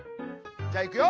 じゃあいくよ！